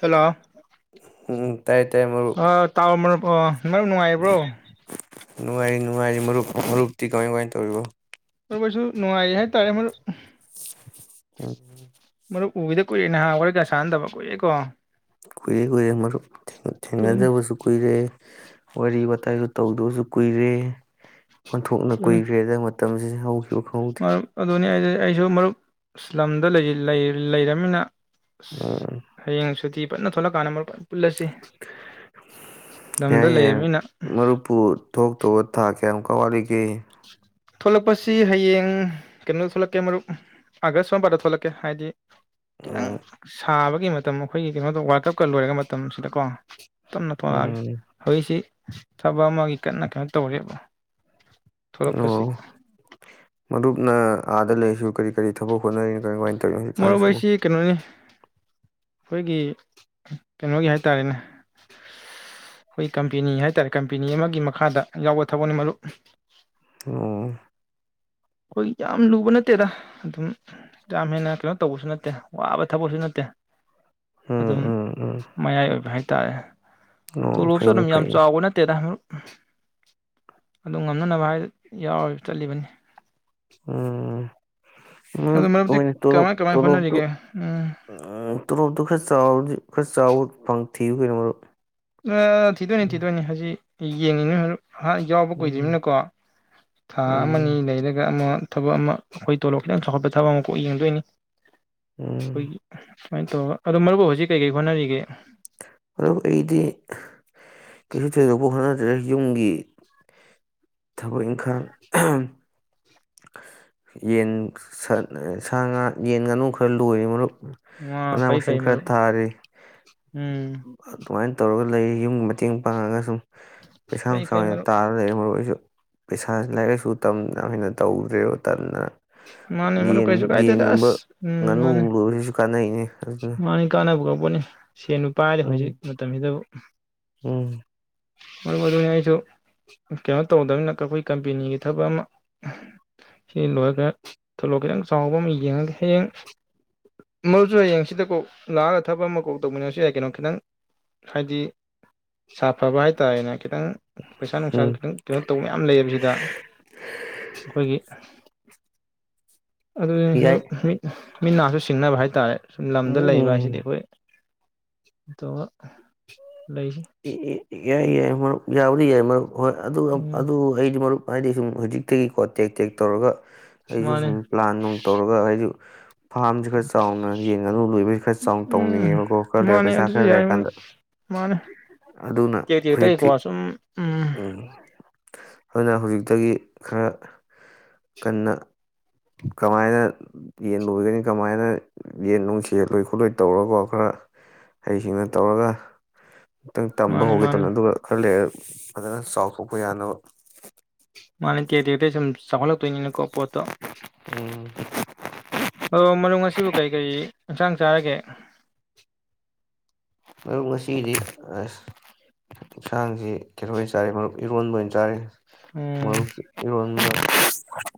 hello ꯎꯝ ꯇꯥꯏꯌꯦ ꯇꯥꯏꯌꯦ ꯃꯔꯨꯞ ꯑꯣ ꯃꯔꯨꯞ ꯅꯨꯡꯉꯥꯏꯔꯤꯕ꯭ꯔꯣ ꯅꯨꯡꯉꯥꯏꯔꯤ ꯅꯨꯡꯉꯥꯏꯔꯤ ꯃꯔꯨꯞ ꯃꯔꯨꯞꯇꯤ ꯀꯃꯥꯏ ꯀꯃꯥꯏꯅ ꯇꯧꯔꯤꯕꯣ ꯑꯩꯈꯣꯏꯁꯨ ꯅꯨꯡꯉꯥꯏꯔꯤ ꯍꯥꯏ ꯇꯔꯦ ꯃꯔꯨꯝ ꯎꯝ ꯎꯒꯤꯗ ꯀꯨꯏꯔꯦ ꯅꯥꯕ ꯋꯥꯔꯤꯒ ꯁꯥꯟꯅꯗꯕ ꯀꯨꯏꯔꯦꯀꯣ ꯀꯨꯏꯔꯦ ꯀꯨꯏꯔꯦ ꯃꯔꯨꯝ ꯑꯗꯨꯅꯤ ꯊꯦꯡꯅꯗꯕꯨꯁꯨ ꯀꯨꯏꯔꯦ ꯋꯥꯔꯤ ꯋꯥꯇꯥꯏꯒ ꯇꯧꯗꯕꯁꯨ ꯀꯨꯏꯔꯦ ꯑꯣꯟꯊꯣꯛꯅ ꯀꯨꯏꯈ꯭ꯔꯦꯗ ꯃꯇꯝꯁꯤ ꯍꯧꯈꯤ ꯃꯔꯨꯝ ꯑꯗꯨꯅꯤ ꯑꯩꯁꯨ ꯃꯔꯨꯞ ꯂꯝꯗ ꯂꯩꯔꯃꯤꯅ ꯎꯝ ꯍꯌꯦꯡ ꯁꯨꯇꯤ ꯄꯨꯟꯅ ꯊꯣꯛꯂꯛꯀꯥꯟꯗ ꯑꯃꯨꯛ ꯂꯝꯗ ꯌꯥꯏ ꯌꯥꯏ ꯂꯩꯔꯝꯅꯤꯅ ꯃꯔꯨꯞꯄꯨ ꯊꯣꯛꯂꯛ ꯇꯧꯕ ꯊꯥ ꯀꯌꯥꯝꯃꯨꯛꯀ ꯋꯥꯠꯂꯤꯒꯦ ꯊꯣꯛꯂꯛꯄꯁꯤ ꯍꯌꯦꯡ ꯀꯩꯅꯣꯗ ꯊꯣꯛꯂꯛꯀꯦ ꯃꯔꯨꯞ ꯑꯥꯒꯁꯠ ꯁ꯭ꯋꯥꯏꯄꯥꯗ ꯊꯣꯛꯂꯛꯀꯦ ꯍꯥꯏꯗꯤ ꯈꯤꯇꯪ ꯎꯝ ꯁꯥꯕ ꯃꯇꯝ ꯑꯩꯈꯣꯏꯒꯤ ꯀꯩꯅꯣꯗꯣ ꯋꯥꯔꯂꯗ ꯀꯞꯀ ꯂꯣꯏꯔꯒ ꯃꯇꯝꯁꯤꯗꯀꯣ ꯇꯞꯅ ꯊꯣꯛꯂꯛꯒꯦ ꯎꯝ ꯍꯧꯖꯤꯛꯁꯤ ꯊꯕꯛ ꯑꯃꯒꯤ ꯀꯟꯅ ꯀꯩꯅꯣ ꯇꯧꯔꯤꯕ ꯊꯣꯛꯂꯛꯄꯁꯤ [inaudible] ꯃꯗꯨꯞꯅ ꯑꯥꯗ ꯂꯩꯔꯁꯨ ꯀꯔꯤ ꯀꯔꯤ ꯊꯕꯛ ꯍꯣꯠꯅꯔꯤꯅꯣ ꯀꯥꯏ ꯀꯃꯥꯏꯅ ꯇꯧꯔꯤꯅꯣ ꯃꯔꯨꯞ ꯍꯧꯖꯤꯛꯀꯥꯟꯁꯤꯕꯨ ꯑꯩꯁꯤ ꯀꯩꯅꯣꯅꯤ ꯑꯩꯈꯣꯏꯒꯤ ꯀꯩꯅꯣꯒꯤ ꯍꯥꯏ ꯇꯥꯔꯦꯅꯦ ꯑꯩꯈꯣꯏ ꯀꯝꯄꯦꯅꯤ ꯍꯥꯏ ꯇꯥꯔꯦ ꯀꯝꯄꯦꯅꯤ ꯑꯃꯒꯤ ꯃꯈꯥꯗ ꯌꯥꯎꯕ ꯊꯕꯛꯅꯤ ꯃꯔꯨꯞ ꯑꯣ ꯑꯩꯈꯣꯏ ꯌꯥꯝ ꯂꯨꯕ ꯅꯠꯇꯦꯗ ꯑꯗꯨꯝ ꯌꯥꯝ ꯍꯦꯟꯅ ꯀꯩꯅꯣ ꯇꯧꯕꯁꯨ ꯅꯠꯇꯦ ꯋꯥꯕ ꯊꯕꯛꯁꯨ ꯅꯠꯇꯦ ꯎꯝ ꯑꯗꯨꯝ ꯎꯝ ꯎꯝ ꯃꯌꯥꯏ ꯑꯣꯏꯕ ꯍꯥꯏ ꯇꯥꯏꯌꯦ ꯑꯣ ꯇꯣꯂꯣꯞꯁꯨ ꯐꯩꯅꯦ ꯑꯗꯨꯝ ꯌꯥꯝ ꯐꯩꯅꯦ ꯆꯥꯎꯕ ꯅꯠꯇꯦꯗꯛ ꯎꯝ ꯑꯗꯨ ꯉꯝꯅꯅꯕ ꯍꯥꯏ ꯌꯥꯎ ꯆꯠꯂꯤꯕꯅꯤ ꯑꯗꯨ ꯃꯔꯨꯞꯇꯤ ꯇꯂ ꯇꯣꯂꯨꯞ ꯀꯃꯥꯏ ꯀꯃꯥꯏ ꯍꯣꯠꯅꯔꯤꯒꯦ ꯎꯝ ꯇꯣꯂꯗꯨ ꯈ ꯆꯥꯎꯥꯎꯗꯤ ꯆꯥꯎꯥꯎ ꯐꯪ ꯊ ꯐꯔ ꯃꯣ ꯑ ꯊꯤꯊꯣ ꯅ ꯊꯤꯊꯣ ꯅꯅꯤ ꯍꯥꯖꯤ ꯌꯦꯡꯉꯤꯅꯦ ꯍꯥꯏꯜꯂꯛ ꯌꯥꯎꯕ ꯎꯝ ꯀꯨꯏꯗ꯭ꯃꯤꯅꯀꯣ ꯊꯥ ꯑꯃꯅꯤ ꯎꯝ ꯂꯩꯔꯒ ꯑꯃ ꯊꯕꯛ ꯑꯃ ꯑꯩꯈꯣꯏ ꯇꯣꯂꯣꯞ ꯈꯤꯇꯪ ꯆꯥꯎꯈꯠꯄ ꯊꯕꯛ ꯑꯃ ꯀꯣꯛ ꯌꯦꯡꯗꯣꯏꯅꯤ ꯎꯝ ꯑꯩꯣꯏ ꯁꯨꯃꯥꯏꯅ ꯇꯧꯔ ꯑꯗꯣ ꯃꯔꯨ ꯍꯧꯖꯤꯛ ꯀꯩꯀꯩ ꯍꯣꯠꯅꯔꯤꯒꯦ ꯑꯗꯣ ꯑꯩꯗꯤ ꯀꯩꯁꯨ ꯊꯣꯏꯗꯣꯛꯄ ꯍꯣꯠꯅꯗ꯭ꯔꯦ ꯌꯨꯝꯒꯤ ꯊꯥꯕꯛ ꯏꯡꯈꯥꯡ ꯌꯦꯟ ꯁꯥ ꯉꯥ ꯌꯦꯟ ꯉꯥꯅꯨ ꯈꯔ ꯂꯣꯏꯔꯤ ꯃꯔꯨꯞ ꯋꯥ ꯃꯅꯥ ꯐꯩ ꯃꯁꯤꯡ ꯐꯩ ꯈꯔ ꯃꯔꯨꯞ ꯊꯥꯔꯤ ꯎꯝ ꯑꯗꯨꯃꯥꯏꯅ ꯇꯧꯔꯒ ꯂꯩ ꯌꯨꯝꯒꯤ ꯃꯇꯦꯡ ꯄꯥꯡꯉꯒ ꯁꯨꯝ ꯄꯩꯁꯥꯡ ꯐꯩ ꯐꯩ ꯁꯅ ꯃꯔꯨꯞ ꯇꯥꯔ ꯂꯩꯔꯦ ꯃꯔꯣꯏ ꯑꯣꯏꯁꯨ ꯄꯩꯁꯥꯁꯤ ꯂꯥꯏꯔꯤꯛ ꯂꯥꯏꯁꯨ ꯇꯝꯅ ꯇꯧꯗ꯭ꯔꯦꯣ ꯇꯅ ꯃꯥꯅꯤ ꯃꯅ ꯀꯩꯁꯨ ꯀꯥꯏꯗ ꯇꯁ ꯎꯝ ꯃꯥꯅꯤ ꯉꯥꯅꯨꯒꯨꯝꯕ ꯂꯣꯏꯕꯁꯤꯁꯨ ꯀꯥꯟꯅꯩꯅꯦ ꯑꯗꯨꯅ ꯃꯥꯅꯤ ꯀꯥꯅꯕꯨ ꯀ ꯄꯨꯅꯤ ꯁꯦꯟ ꯅꯨꯄꯥꯗꯤ ꯎꯝ ꯍꯧꯖꯤꯛ ꯃꯇꯝꯁꯤꯗ ꯎ ꯎꯝ ꯃꯔꯝ ꯑꯗꯨꯅ ꯑꯩꯁꯨ ꯀꯩꯅꯣ ꯇꯧꯗꯕꯅꯤꯅ ꯑꯩꯈꯣꯏ ꯀꯝꯄꯦꯅꯤꯒꯤ ꯊꯕꯛ ꯑꯃ ꯁꯤ ꯂꯣꯏꯔ ꯊꯂꯛꯑ ꯈꯤꯇꯪ ꯆꯥꯎꯕ ꯑꯃ ꯌꯦꯡꯉꯒꯦ ꯍꯌꯦꯡ ꯃꯔꯨꯁꯨ ꯍꯌꯦꯡ ꯁꯤꯗ ꯀꯣꯛ ꯂꯥꯛꯑꯒ ꯊꯕꯛ ꯑꯃ ꯀꯧ ꯇꯧꯃꯤꯟꯅꯁꯨ ꯌꯥꯏ ꯀꯩꯅꯣ ꯈꯤꯇꯪ ꯍꯥꯏꯗꯤ ꯁꯥꯐ ꯐꯕ ꯍꯥꯏꯇꯥꯔꯦꯅꯦ ꯈꯤꯇꯪ ꯄꯩꯁꯥ ꯅꯨꯡꯁꯥ ꯎꯝ ꯈꯤꯇꯪ ꯀꯩꯅꯩꯅꯣ ꯇꯧꯕ ꯃꯌꯥꯝ ꯂꯩꯑꯕꯁꯤꯗ ꯑꯩꯈꯣꯏꯒꯤ ꯑꯗꯨ ꯌꯥꯏ ꯃꯤꯠ ꯅꯥꯁꯨ ꯁꯤꯡꯅꯕ ꯍꯥꯏꯇꯥꯔꯦ ꯁꯨꯝ ꯂꯝꯗ ꯂꯩꯕ ꯎꯝ ꯍꯥꯏꯁꯤꯗꯤ ꯑꯩꯈꯣꯏ ꯇꯣ ꯂꯩꯁꯤ ꯌꯥꯏ ꯌꯥꯏ ꯌꯥ ꯃꯔ ꯌꯥꯎꯔꯤ ꯌꯥ ꯃꯔ ꯍꯣꯏ ꯑꯗꯨ ꯎꯝ ꯑꯗꯨ ꯑꯩꯁ ꯃꯔꯨꯞ inaudible ꯑꯩꯁꯨ ꯃꯥꯅꯦ ꯁꯨꯝ ꯄ꯭ꯂꯥꯟ ꯅꯨꯡ ꯇꯧꯔꯒ ꯑꯩꯁꯨ ꯐꯥꯔꯝꯁꯤ ꯈꯔ ꯆꯥꯎꯅ ꯌꯦꯟ ꯉꯥꯅꯨ ꯂꯣꯏꯕꯕꯁꯤ ꯈꯔ ꯆꯥꯎꯅ ꯎꯝ ꯇꯧꯅꯤꯡꯉꯦꯕꯀꯣ ꯈꯔ ꯂꯩꯔꯦ ꯃꯥꯅꯦ ꯄꯩꯁꯥ ꯈꯔ ꯂꯩꯔꯀꯥꯟꯗ ꯑꯗꯨꯅ ꯀ ꯀ ꯇꯥꯏ ꯀ ꯍꯧꯖꯤꯛꯇꯤ ꯋꯥꯁꯨꯨꯝ ꯎꯝ ꯑꯗꯨꯅ ꯍꯧꯖꯤꯛꯇꯒꯤ ꯈꯔ ꯀꯟꯅ ꯀꯃꯥꯏꯅ ꯌꯦꯟ ꯂꯣꯏꯒꯅꯤ ꯀꯃꯥꯏꯅ ꯈꯤꯇꯪ ꯇꯝꯕ ꯃꯥꯅꯦ ꯍꯧꯒꯦ ꯃꯥꯅꯦ ꯇꯧꯅ ꯑꯗꯨꯒ ꯈꯔ ꯂꯩꯔ ꯐꯖꯅ ꯆꯥꯎꯊꯣꯛꯄ ꯌꯥꯅꯕ ꯃꯥꯅꯦ ꯀꯦꯗꯦꯗꯩ ꯁꯨꯝ ꯆꯥꯎꯂꯞ ꯇꯅꯀꯣ ꯄꯠꯇꯣ ꯎꯝ ꯑꯣ ꯃꯔꯣ ꯑꯁꯤꯕꯨ ꯀꯔꯤ ꯀꯔꯤ ꯌꯦꯟꯁꯥꯡ ꯆꯥꯔꯒꯦ ꯉꯁꯤꯗꯤ ꯑꯁ ꯌꯦꯟꯁꯥꯡꯁꯤ ꯀꯩꯅꯇꯣ ꯑꯣꯏꯅ ꯆꯥꯔꯦ ꯃꯔꯨꯞ ꯏꯔꯣꯟꯕ ꯑꯣꯏꯅ ꯆꯥꯔꯦ ꯃ ꯎꯝ [unintelligible]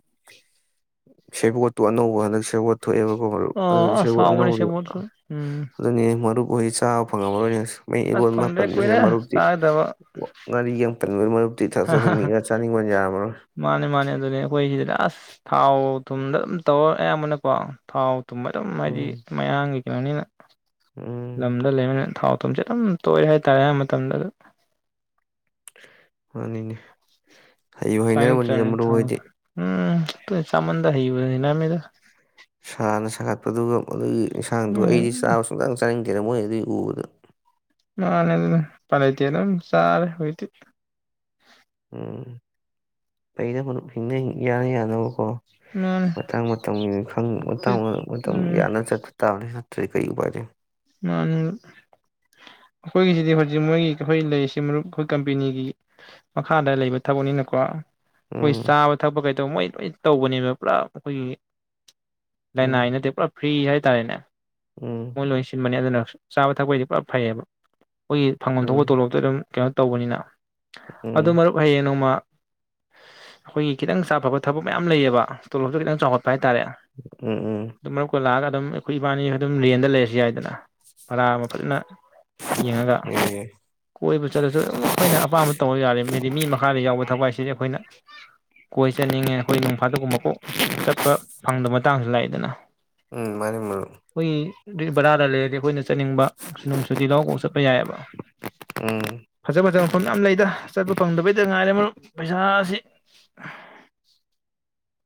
ꯁꯦꯕꯣꯠꯇꯨ ꯑꯅꯧꯕ ꯍꯟꯗꯛ ꯁꯦꯕꯣꯠꯇ ꯊꯣꯛꯑꯦꯕꯀꯣ ꯃꯔꯨꯞ ꯑꯗꯨꯅꯤ ꯑꯣ ꯑꯁ ꯁꯤꯕꯨ ꯍꯥꯎꯕꯅꯦ ꯑꯅꯧꯕ ꯁꯦꯕꯣꯠꯁꯨ ꯎꯝ ꯑꯗꯨꯅꯤ ꯃꯔꯨꯞ [unintelligible] ꯆꯥꯕ ꯐꯪꯉꯝꯃꯔꯣꯏꯅꯤ ꯃ ꯑꯁ ꯏꯔꯣꯟ ꯐꯪꯗ꯭ꯔꯦ ꯀꯨꯏꯔꯦ ꯃꯥꯄꯟꯕꯁꯤꯗ ꯃꯔꯨꯞꯇꯤ ꯆꯥꯒꯗꯕ ꯉꯥꯔꯤꯒ [unintelligible] [unintelligible] ꯑꯗꯨꯅꯤꯡꯉ ꯆꯥꯅꯤꯡꯕ ꯌꯥꯃꯔꯣꯏ ꯃꯥꯅꯦ ꯃꯥꯅꯦ ꯑꯗꯨꯅꯦ ꯑꯩꯈꯣꯏ ꯑꯁ ꯊꯥꯎ ꯊꯨꯝꯗ ꯑꯗꯨꯝ ꯇꯧꯔ ꯑꯌꯥꯝꯕꯅꯀꯣ ꯊꯥꯎ ꯇꯨꯝꯕ ꯑꯗꯨꯝ ꯍꯥꯏꯗꯤ ꯎꯝ ꯃꯌꯥꯝꯒꯤ [unintelligible] ꯎꯝ ꯂꯝꯗ ꯂꯩꯕ ꯊꯥꯎ ꯇꯨꯝꯁꯦ ꯑꯗꯨꯝ ꯇꯣꯏ ꯍꯥꯏꯇꯥꯔꯦ ꯑꯌꯥꯝꯕ ꯃꯇꯝꯗ ꯃꯥꯅꯤꯅꯦ ꯍꯩꯕꯨ ꯍꯩꯅꯔꯕꯅꯤꯗ ꯃꯔꯨꯞ ꯍꯣꯏꯗꯤ [unintelligible] [unintelligible] ꯍꯥꯟꯅ ꯁꯥꯒꯠꯄꯗꯨꯒ ꯃꯗꯨꯒꯤ ꯎꯝ ꯌꯦꯟꯁꯥꯡꯗꯣꯗꯤ ꯆꯥꯕ ꯁꯨꯡꯇꯪ ꯆꯥꯅꯤꯡꯦ ꯔꯃꯣ ꯑꯦꯗꯤ ꯎꯎꯕꯗ ꯃꯥꯅꯦ ꯐꯔꯇꯅ ꯁꯔꯦ ꯍꯣꯏꯇ ꯎꯝ ꯑꯩꯅ ꯍꯤꯡꯅ ꯌꯥꯅ ꯌꯥꯅꯅꯕꯀꯣ ꯃꯥꯅꯦ ꯃꯇꯥꯡ ꯃꯇꯝꯒꯤ ꯃꯇꯥꯡ ꯃꯇꯝ ꯎꯝ ꯌꯥꯝꯅ ꯆꯠꯄ ꯇꯥꯕꯅꯤ ꯇꯔꯤ ꯀꯩ ꯄꯖꯦ ꯑꯩꯈꯣꯏꯒꯤꯁꯤꯗꯤ ꯍꯧꯖꯤꯛ ꯃꯣꯏꯒꯤ ꯑꯩꯈꯣꯏ ꯂꯩꯔꯤꯁꯤ ꯃꯔꯨꯞ ꯑꯩꯈꯣꯏ ꯀꯝꯄꯦꯅꯤꯒꯤ ꯃꯈꯥꯗ ꯂꯩꯕ ꯊꯕꯛꯅꯤꯅꯀꯣ ꯑꯩꯈꯣꯏ ꯎꯝ ꯆꯥꯕ ꯊꯛꯄ ꯀꯩꯗꯧꯕ ꯃꯣꯏ ꯂꯣꯏ ꯇꯧꯕꯅꯦꯕ ꯄꯨꯔꯞ ꯑꯩꯈꯣꯏꯒꯤ ꯎꯝ ꯂꯩꯅꯥꯏꯅꯠꯇꯦ ꯄꯨꯔꯥ ꯐ꯭ꯔꯤ ꯍꯥꯏ ꯇꯥꯏꯅꯦ ꯎꯝ ꯃꯅꯁ ꯑꯗꯨꯅ ꯆꯥꯕ ꯊꯛꯄꯩꯗꯤ ꯄꯨꯔ ꯐꯩꯌꯦꯕ ꯑꯩꯈꯣꯏꯒꯤ ꯐꯪꯐꯝ ꯎꯝ ꯊꯣꯛꯄ ꯇꯣꯂꯣꯞꯇ ꯑꯗꯨꯝ ꯀꯩꯅꯣ ꯇꯧꯕꯅꯤꯅ ꯎꯝ ꯑꯗꯨ ꯃꯔꯨꯞ ꯍꯌꯦꯡ ꯅꯣꯡꯃ ꯑꯩꯈꯣꯏꯒꯤ ꯈꯤꯇꯪ ꯁꯥꯐꯕ ꯊꯕꯛ ꯃꯌꯥꯝ ꯂꯩꯌꯦꯕ ꯇꯣꯂꯣꯞꯁꯨ ꯈꯤꯇꯪ ꯆꯥꯎꯈꯠꯄ ꯄ ꯍꯥꯏ ꯇꯥꯔꯦ ꯎꯝ ꯎꯝ ꯑꯗꯨ ꯃꯔꯨꯞꯀ ꯂꯥꯛ ꯑꯒ ꯑꯗꯨꯝ ꯑꯩꯈꯣꯏ ꯏꯕꯥꯅꯤ ꯑꯗꯨꯝ ꯔꯦꯟꯠꯗ ꯂꯩꯔꯁꯨ ꯌꯥꯏꯗꯅ [unintelligible] ꯌꯦꯡꯉꯒ ꯑꯦ ꯀꯣꯏꯕꯁꯨ ꯆꯠꯂꯁꯨ ꯑꯗꯨꯝ ꯑꯩꯈꯣꯏꯅ ꯑꯄꯥꯝꯕ ꯇꯧꯔ ꯌꯥꯔꯦ ꯃꯗꯤ ꯃꯤ ꯃꯈꯥꯗ ꯌꯥꯎꯕ ꯊꯕꯛ ꯍꯥꯏꯁꯤꯗꯤ ꯑꯩꯈꯣꯏꯅ ꯀꯣꯏ ꯆꯠꯅꯤꯡꯉꯦ ꯑꯩꯈꯣꯏ ꯅꯣꯡꯐꯥꯗꯣꯛꯀꯨꯝꯕ ꯀꯣꯛ ꯆꯠꯄ ꯐꯪꯗꯕ ꯃꯇꯥꯡꯁꯨ ꯂꯥꯛꯏꯗꯅ ꯎꯝ ꯃꯥꯅꯤ ꯃꯔꯨꯞ ꯑꯩꯈꯣꯏꯒꯤ ꯕꯖꯥꯔꯗ ꯂꯩ ꯍꯥꯏꯗꯤ ꯑꯩꯈꯣꯏꯅ ꯆꯠꯅꯤꯡꯕ ꯁꯨꯅꯨꯡ ꯁꯨꯇꯤ ꯂꯥꯎꯔ ꯀꯣꯛ ꯆꯠꯄ ꯌꯥꯏꯌꯦꯕ ꯎꯝ ꯐꯖ ꯐꯖꯕ ꯃꯐꯝ ꯌꯥꯝ ꯂꯩꯗ ꯆꯠꯄ ꯐꯪꯗꯕꯩꯗ ꯉꯥꯏꯔꯦ ꯃꯔꯨꯞ ꯄꯩꯁꯥꯁꯤ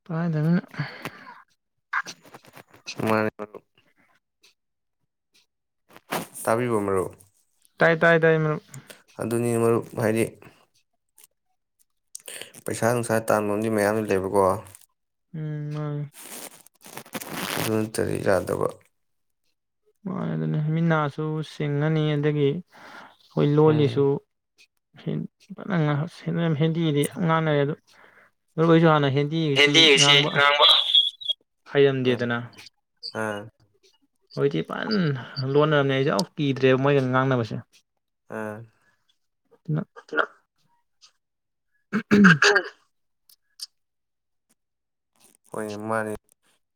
ꯄꯥꯏꯗꯝꯅꯤꯅꯥ ꯃꯥꯅꯤ ꯇꯥꯕꯤꯕꯔꯣ ꯃꯔꯨꯞ ꯇꯥꯏ ꯇꯥꯏ ꯇꯥꯏ ꯃꯔꯨꯞ ꯑꯗꯨꯅꯤ ꯃꯔꯨꯞ ꯍꯥꯏꯗꯤ ꯄꯩꯁꯥ ꯅꯨꯡꯁꯥ ꯇꯥꯟꯕꯝꯗꯤ ꯃꯌꯥꯝꯗꯨ ꯂꯩꯕꯀꯣ ꯎꯝ ꯃꯥꯟꯅꯤ ꯑꯗꯨ ꯅꯠꯇꯗꯤ ꯌꯥꯗꯕ ꯃꯥꯟꯅꯤ ꯑꯗꯨꯅ ꯃꯤꯠ ꯅꯥꯁꯨ ꯁꯤꯡꯉꯅꯤ ꯑꯗꯨꯗꯒꯤ ꯑꯩꯈꯣꯏ ꯎꯝ ꯂꯣꯜꯂꯤꯁꯨ ꯐꯅ ꯍꯦꯟꯗꯤꯗꯤ ꯉꯥꯡꯅꯔꯦ ꯑꯗꯨ ꯂꯣꯂꯣꯏꯁꯨ ꯍꯥꯟꯅꯗꯤ ꯗꯤ ꯏꯁꯤ ꯉꯥꯡꯕ ꯎꯝ ꯍꯩꯔꯝꯗꯦꯗꯅ ꯑꯥ ꯍꯧꯖꯤꯛ ꯐꯖꯅ ꯂꯣꯟꯅꯔꯕꯅꯦ ꯑꯩꯖꯥ ꯀꯤꯗ꯭ꯔꯦꯕ ꯃꯣꯏꯒ ꯉꯥꯡꯅꯕꯁꯦ ꯑꯥ ꯑꯗꯨꯅ [unintelligible] ꯎꯝ ꯍꯣꯏ ꯃꯥꯟꯅꯤ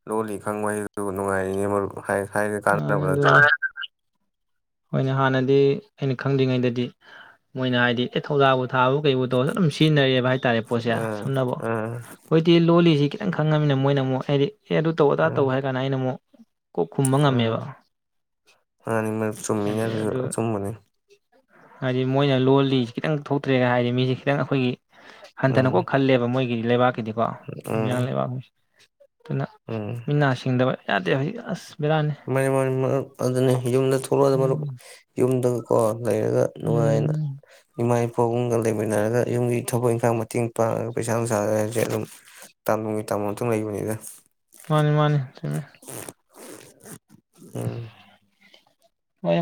ꯂꯣꯜꯂꯤ ꯈꯪꯕ ꯍꯥꯏꯗꯨ ꯅꯨꯡꯉꯥꯏꯔꯤꯅꯦ ꯃꯔꯨꯞ ꯍꯥꯏ ꯍꯩꯔꯗꯤ ꯃꯥꯅꯤ ꯀꯥꯟꯅꯕ ꯑꯗꯨꯅꯤ ꯅꯠꯇꯔꯣ ꯍꯣꯏꯅꯦ ꯍꯥꯟꯅꯗꯤ ꯑꯩꯅ ꯈꯪꯗ꯭ꯔꯤꯉꯩꯗꯗꯤ ꯃꯣꯏꯅ ꯍꯥꯏꯗꯤ ꯑꯦ ꯊꯧꯗꯥꯕꯨ ꯄꯊꯥꯕꯨ ꯀꯩ ꯇꯧ ꯑꯗꯨꯝ ꯁꯤꯖꯤꯟꯅꯔꯛꯑꯦꯕ ꯍꯥꯏꯇꯥꯔꯦ ꯄꯣꯠꯁꯦ ꯎꯝ ꯁꯨꯝꯅꯕꯨ ꯎꯝ ꯍꯧꯖꯤꯛꯇ ꯂꯣꯜꯂꯤꯁꯤ ꯈꯤꯇꯪ ꯈꯪꯉꯕꯃꯤꯅ ꯃꯣꯏꯅ ꯑꯃꯨꯛ ꯍꯥꯏꯗꯤ ꯑꯦ ꯑꯗꯨ ꯇꯧ ꯑꯗꯥ ꯎꯝ ꯇꯧ ꯍꯥꯏ ꯀꯥꯟꯗ ꯑꯩꯅ ꯑꯃꯨꯛ ꯀꯣꯛ ꯈꯨꯝꯕ ꯎꯝ ꯉꯝꯃꯦꯕ ꯃꯥꯅꯤ ꯃꯔꯨꯞ ꯆꯨꯝꯃꯤꯅꯦ ꯑꯗꯩ ꯑꯗꯨꯁꯨ ꯑꯗꯨ ꯑꯆꯨꯝꯕꯅꯤ ꯍꯥꯏꯗꯤ ꯃꯣꯏꯅ ꯂꯣꯜꯂꯤꯁꯤ ꯈꯤꯇꯪ ꯊꯣꯛꯇ꯭ꯔꯦꯒ ꯍꯥꯏꯗꯤ ꯃꯤꯁꯦ ꯈꯤꯇꯪ ꯑꯩꯈꯣꯏꯒꯤ ꯎꯝ ꯍꯟꯊꯅꯀꯣ ꯈꯜꯂꯦꯕ ꯃꯣꯏꯒꯤ ꯂꯩꯕꯥꯛ ꯗꯤꯀꯣ ꯎꯝ ꯃꯤꯌꯥꯡ ꯂꯩꯕꯥꯛ ꯑꯗꯨꯅ ꯃꯤꯅꯥ ꯁꯤꯡꯗꯕ ꯌꯥꯗ ꯍꯥꯏ ꯑꯁ ꯕꯦꯔꯥꯅꯤ ꯃꯥ ꯃꯥ ꯑꯗꯨꯅꯤ ꯌꯨꯝꯗ ꯀ ꯑꯗꯨ ꯎꯝ ꯌꯨꯝꯗꯒꯀꯣ ꯂꯩꯔꯒ ꯅꯨꯡꯉꯥꯏꯅ ꯎꯝ ꯏꯃꯥ ꯏ ꯐꯐꯕꯨꯝꯒ ꯂꯩꯃꯤꯟꯅꯔꯒ ꯌꯨꯝꯒꯤ ꯊꯕꯛ ꯏꯪꯈꯥꯡ ꯃꯇꯦꯡ ꯄꯥꯡꯉꯒ ꯄꯩꯁꯥ ꯅꯨꯡꯁꯥꯗ ꯍꯥꯏꯁꯦ ꯑꯗꯨꯝ ꯇꯥꯝ ꯅꯨꯡꯒꯤ ꯇꯥꯃ ꯑꯃꯇꯪ ꯂꯩꯕꯅꯤꯅ ꯃꯥꯅꯤ ꯃꯥꯅꯤ ꯇ ꯎꯝ ꯎꯝ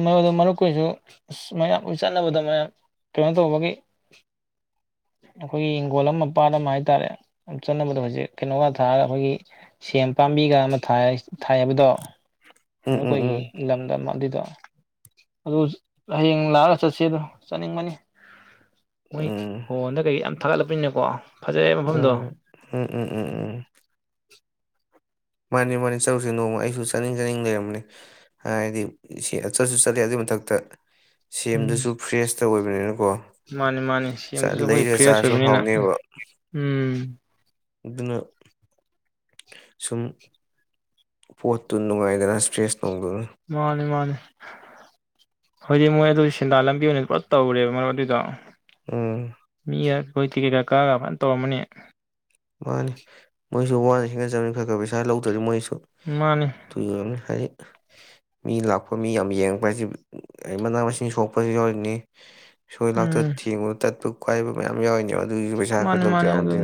ꯃꯗ ꯃꯔꯨꯞ ꯀꯨꯁꯨ ꯑ ꯃꯌꯥꯝ ꯆꯠꯅꯕꯗ ꯃꯌꯥꯝ ꯀꯩꯅꯣ ꯇꯧꯕꯒꯤ ꯑꯩꯈꯣꯏꯒꯤ ꯍꯤꯡꯈꯣꯜ ꯑꯃ ꯄꯥꯠ ꯑꯃ ꯍꯥꯏꯇꯥꯔꯦ ꯆꯅꯕꯗ ꯍꯧꯖꯤꯛ ꯀꯩꯅꯣꯒ ꯊꯥꯔꯒ ꯑꯩꯈꯣꯏꯒꯤ ꯁꯦꯝ ꯄꯥꯝꯕꯤꯒ ꯑꯃ ꯊꯥꯏ ꯊꯥꯏ ꯍꯥꯏꯕꯗꯣ ꯎꯝ ꯎꯝ ꯃꯔꯨꯞꯣꯏꯒꯤ ꯎꯝ ꯂꯝꯗ ꯑꯗꯨ ꯍꯌꯦꯡ ꯂꯥꯛꯑꯒ ꯆꯠꯁ ꯑꯗꯣ ꯆꯠꯅꯤꯡꯕꯅꯤ ꯃꯣꯏ ꯎꯝ ꯐꯣꯟꯗ ꯀꯩ ꯌꯥꯝ ꯊꯥꯒꯠꯂꯛꯄꯅꯤꯅꯀꯣ ꯐꯖꯩ ꯎꯝ ꯃꯐꯝꯗꯣ ꯎꯝ ꯎꯝ ꯎꯝ ꯎꯝ ꯃꯥꯅꯤ ꯃꯥꯅꯤ ꯆꯠꯔꯨꯁꯤꯦ ꯅꯣꯡꯃ ꯑꯩꯁꯨ ꯆꯥꯅꯤꯡ ꯆꯥꯅꯤꯡ ꯂꯩꯔꯝꯅꯤ ꯍꯥꯏꯗꯤ ꯁꯤ ꯆꯠꯁꯨ ꯆꯠꯂꯤ ꯑꯗꯨꯏ ꯃꯊꯛꯇ ꯎꯝ ꯁꯦꯝꯗꯨꯁꯨ ꯐ꯭ꯔꯦꯁꯇ ꯑꯣꯏꯕꯅꯤꯅꯀꯣ ꯃꯥꯅꯤ ꯃꯥꯅꯤ ꯁꯤ ꯑꯗꯨꯁꯨ ꯑꯩꯈꯣꯏ ꯂꯩꯔꯒ ꯐ꯭ꯔꯦꯁ ꯆꯥꯔꯁꯨ ꯑꯣꯏꯕꯅꯤꯅ ꯍꯥꯎꯅꯦꯕ ꯎꯝ ꯑꯗꯨꯅ ꯁꯨꯝ ꯄꯣꯠꯇꯨ ꯅꯨꯡꯉꯥꯏꯗꯅ ꯏꯁ꯭ꯔꯦꯁ ꯃꯥꯅꯤ ꯃꯥꯅꯤ ꯍꯧꯣꯏꯗꯤ ꯃꯣꯏ ꯑꯗꯨ ꯁꯦꯟꯗꯥ ꯂꯝꯕꯤ ꯑꯣꯏꯅ ꯄꯨꯂꯞ ꯇꯧꯔꯦꯕ ꯃꯔꯨꯞ ꯑꯗꯨꯗꯣ ꯎꯝ ꯑꯩꯈꯣꯏ ꯇꯤꯛꯀꯦꯠꯀꯛ ꯀꯛꯑꯒ ꯑꯗꯨꯃꯥꯏꯅ ꯇꯧꯔꯝꯃꯅꯤ ꯃꯥꯅꯤ ꯃꯣꯏꯁꯨ ꯋꯥꯅ ꯁꯦꯝꯒꯠ ꯆꯅꯤ ꯈꯔ ꯈꯔ ꯄꯩꯁꯥ ꯂꯧꯗ꯭ꯔꯗꯤ ꯃꯣꯏꯁꯨ ꯃꯥꯅꯤ ꯇꯅꯤ ꯍꯥꯏ ꯃꯤ ꯂꯥꯛꯄ ꯃꯤ ꯌꯥꯝ ꯌꯦꯡꯛꯄ ꯍꯥꯏꯁꯤ ꯃꯅꯥ ꯃꯁꯤꯡ ꯁꯣꯛꯄꯁꯨ ꯌꯥꯎꯔꯤꯅꯤ ꯁꯣꯏ ꯂꯥꯛꯇ ꯎꯝ ꯊꯦꯡꯕꯨꯅ ꯇꯠꯄ ꯀꯥꯏꯕ ꯃꯌꯥꯝ ꯌꯥꯎꯏꯅꯦ ꯑꯗꯨ ꯑꯗꯨꯏ ꯄꯩꯁꯥ ꯈꯔ ꯂꯧꯗꯗꯦ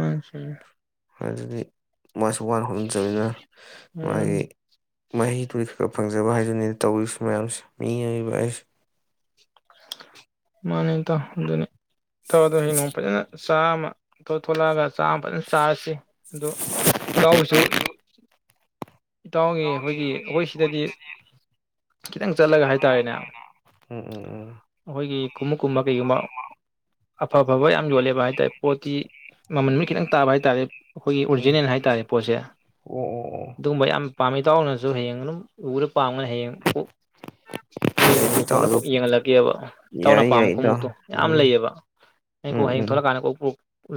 ꯑꯆ ꯑꯗꯨꯗꯤ ꯃꯥꯁꯨ ꯋꯥꯅ ꯍꯧꯣꯅꯟꯖꯕꯅꯤꯅ ꯃꯥꯒꯤ ꯃꯍꯤꯗꯨꯒꯤ ꯈꯔ ꯈꯔ ꯐꯪꯖꯕ ꯍꯥꯏꯗꯨꯅꯤꯅ ꯇꯧꯔꯤꯁꯤ ꯃꯌꯥꯝꯁꯦ ꯃꯤꯏꯕ ꯑꯩꯁꯦ ꯃꯥꯅꯤ ꯑꯗꯨꯅꯤ ꯇꯧꯗꯣ ꯍꯌꯦ ꯅꯣꯡ ꯐꯖꯅ ꯆꯥꯝꯃ ꯊ ꯊꯣꯛꯂꯛꯑꯒ ꯆꯥꯝꯃ ꯐꯖꯅ ꯆꯥꯔꯁꯤ ꯑꯗꯣ ꯆꯥꯎꯕꯁꯨ ꯏꯇꯥꯎꯅꯤ ꯑꯩꯈꯣꯏꯒꯤ ꯑꯩꯈꯣꯏ ꯁꯤꯗꯗꯤ ꯈꯤꯇꯪ ꯆꯠꯂꯒ ꯍꯥꯏꯇꯥꯔꯦꯅꯦ ꯎꯝ ꯎꯝ ꯑꯩꯈꯣꯏꯒꯤ ꯈꯎꯞꯀꯨꯝꯕ ꯀꯩꯒꯨꯝꯕ ꯑꯐ ꯑꯐꯕ ꯌꯥꯝ ꯌꯣꯜꯂꯦꯕ ꯍꯥꯏ ꯇꯔꯦ ꯄꯣꯠꯇꯤ ꯃꯃꯜ ꯈꯤꯇꯪ ꯇꯥꯕ ꯍꯥꯏ ꯇꯥꯔꯦ ꯑꯩꯈꯣꯏꯒꯤ ꯎꯝ ꯑꯣꯔꯤꯖꯤꯅꯦꯜ ꯍꯥꯏꯇꯥꯔꯦ ꯄꯣꯠꯁꯦ ꯎꯝ ꯌꯥꯝꯥꯃꯤ ꯇꯅꯁꯨ ꯍꯌꯦ ꯎꯔ ꯄꯥꯝꯒꯅ ꯍꯌꯦꯡ ꯀꯣꯛ ꯑꯩꯈꯣꯏ ꯑꯣ ꯑꯣ ꯑꯣ ꯌ ꯌꯥꯏ ꯏꯇꯥꯎ ꯀꯣꯟꯅ ꯑꯗꯨ ꯀꯣꯛ ꯌꯦꯡꯍꯜꯂꯛꯀꯦꯕ ꯏꯆꯥꯎꯅ ꯌꯥꯏ ꯄꯥꯝꯕ ꯌꯥꯏ ꯏꯇꯥꯎ ꯈꯣꯡꯎꯞꯇꯨ ꯌꯥꯝ ꯎꯝ ꯂꯩꯌꯦꯕ ꯍꯌꯦꯡ ꯀꯣꯛ ꯎꯝ ꯍꯌꯦꯡ ꯎꯝ ꯊꯣꯛꯂꯛꯀꯥꯟꯗ ꯀꯣꯛ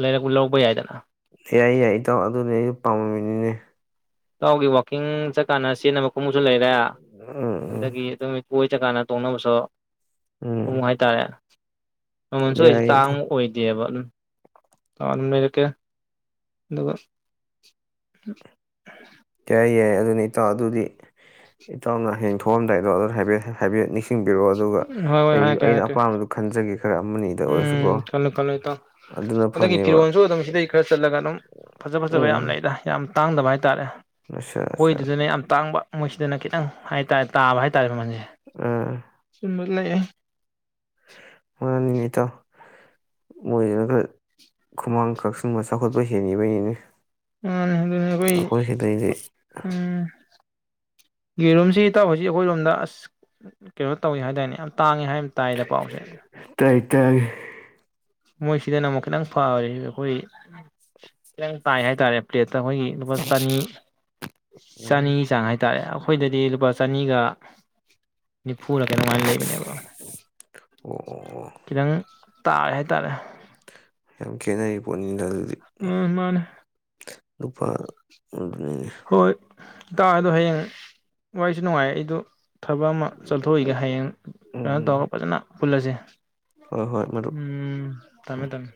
ꯂꯩꯔꯛꯄ ꯂꯧꯕ ꯌꯥꯏꯗꯅ ꯌꯥꯏ ꯌꯥꯏ ꯏꯇꯥꯎ ꯑꯗꯨꯅꯦ ꯑꯩꯁꯨ ꯄꯥꯝꯃꯃꯤꯅꯤꯅꯦ ꯇꯥꯎꯒꯤ ꯋꯥꯛꯀꯤꯡ ꯆꯠꯀꯥꯟꯅ ꯁꯤꯖꯤꯟꯅꯕ ꯀꯨꯝꯕꯁꯨ ꯂꯩꯔ ꯎꯝ ꯎꯝ ꯑꯗꯨꯗꯒꯤ ꯑꯗꯨꯝ ꯀꯣꯏ ꯆꯠꯀꯥꯟꯅ ꯇꯣꯡꯅꯅꯕꯁꯨꯣ ꯎꯝ ꯀꯃꯨ ꯍꯥꯏꯇꯥꯔꯦ ꯃꯃꯜꯁꯨ ꯑꯩꯁꯦ ꯌꯥꯏ ꯏꯇꯥꯎ ꯇꯥꯡꯃꯛ ꯑꯣꯏꯗꯦꯕ ꯑꯗꯨꯝ ꯇꯋꯥ ꯑꯗꯨ ꯂꯩꯔꯀꯦ ꯑꯗꯨꯒ ꯍ ꯀꯌꯥ ꯌꯥꯏ ꯑꯗꯨꯅ ꯏꯇꯥꯎ ꯑꯗꯨꯗꯤ ꯏꯇꯥꯎꯅ ꯍꯌꯦꯡ ꯊꯣꯛꯑꯝꯗꯥꯏꯗꯣ ꯆꯤꯡꯕꯤꯔꯛꯑꯣ ꯑꯗꯨꯒ ꯍꯣꯏ ꯍꯣꯏ ꯑꯩ ꯍꯥꯏꯔꯛꯀꯦ ꯑꯩꯅ ꯍꯥꯏꯔꯛꯀꯦ ꯑꯄꯥꯝꯕꯗꯨꯣ ꯈꯟꯖꯒꯦ ꯈꯔ ꯑꯃꯅꯤ ꯎꯝ ꯈꯜꯂꯨ ꯈꯜꯂꯨ ꯇꯥꯣ ꯑꯗꯒꯤ ꯐꯅꯦꯕ ꯐꯤꯔꯣꯜꯁꯨ ꯑꯗꯨꯝ ꯁꯤꯗꯩ ꯈꯔ ꯆꯠꯂꯒ ꯑꯗꯨꯝ ꯐꯖ ꯐꯖꯕ ꯌꯥꯝ ꯎꯝ ꯂꯩꯗ ꯌꯥꯝ ꯇꯥꯡꯗꯕ ꯍꯥꯏꯇꯥꯔꯦ ꯑꯠꯆꯥ ꯑꯠꯆꯥ ꯑꯩꯈꯣꯏꯗꯨꯗꯅꯦ ꯌꯥꯝ ꯇꯥꯡꯕ ꯃꯣꯏꯁꯤꯗꯅ ꯈꯤꯇꯪ ꯍꯥꯏꯇꯥꯔꯦ ꯇꯥꯕ ꯍꯥꯏꯇꯥꯔꯦ ꯃꯃꯜꯁꯦ ꯑ ꯂꯩꯦ ꯍꯣꯏꯅꯤ ꯇ ꯃꯣꯏꯁꯤꯅ ꯈꯔ ꯈꯨꯃꯥꯡ ꯀꯛꯁꯤꯟꯕ ꯆꯥꯎꯈꯠꯄ ꯍꯦꯟꯉꯤꯕꯩꯅꯤꯅꯤ ꯑ ꯑꯗꯨ ꯎꯝ ꯌꯦꯔꯨꯝꯁꯤ ꯇꯧ ꯍꯧꯁꯤꯛ ꯑꯩꯈꯣꯏ ꯔꯣꯝꯗ ꯑꯁ ꯀꯩꯅꯣ ꯇꯧꯏꯦ ꯍꯥꯏꯇꯥꯔꯅꯦ ꯌꯥꯝ ꯇꯥꯡꯉꯦ ꯍꯥꯏ ꯇꯥꯏꯗ ꯄꯥꯎꯁꯦ ꯇꯥꯏꯇ ꯃꯣꯏꯁꯤꯗꯅ ꯑꯃꯨꯛ ꯈꯤꯇꯪ ꯐꯦ ꯑꯩꯈꯣꯏ ꯈꯤꯇꯪ ꯇꯥꯏ ꯍꯥꯏꯇꯥꯔꯦ ꯄ꯭ꯂꯦꯠ ꯑꯩꯈꯣꯏꯒꯤ ꯂꯨꯄꯥ ꯆꯅꯤ ꯎꯝ ꯆꯅꯤ ꯆꯥꯡ ꯍꯥꯏꯇꯥꯔꯦ ꯑꯩꯈꯣꯏꯗꯗꯤ ꯂꯨꯄꯥ ꯆꯅꯤꯒ ꯅꯤꯐꯨꯅ ꯀꯩꯅꯝꯃꯥꯏꯅ ꯂꯩꯕꯅꯦꯕ ꯑꯣ ꯑꯣ ꯑꯣ ꯈꯤꯇꯪ ꯇꯥ ꯍꯥꯏ ꯇꯔꯦ ꯌꯥꯝ ꯈꯦꯠꯅꯩ ꯄꯨꯣꯠꯅꯤꯡꯗꯜ ꯎ ꯃꯥꯅꯦ ꯅꯨꯄꯥ ꯎ ꯏꯇꯥꯥꯡ ꯑꯗꯣ ꯍꯌꯦꯡ ꯋꯥꯔꯤꯁꯨ ꯅꯨꯡꯉꯥꯏ ꯑꯩꯗ ꯊꯕꯛ ꯑꯃ ꯆꯠꯊꯣꯛꯏꯒ ꯍꯌꯦꯡ ꯎꯝ ꯀꯩꯅꯣ ꯎꯝ ꯇꯧꯔꯒ ꯐꯖꯅ ꯄꯨꯜꯂꯁꯦ ꯍꯣꯏ ꯍꯣꯏ ꯃꯔꯨꯞ ꯎꯝ ꯇꯃꯦ ꯇꯃꯦ